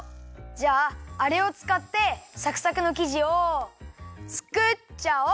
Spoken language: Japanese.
じゃああれをつかってサクサクのきじをつくっちゃおう！